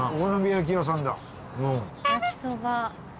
焼きそば。